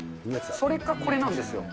それかこれなんですよ。